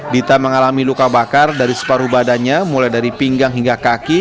dita mengalami luka bakar dari separuh badannya mulai dari pinggang hingga kaki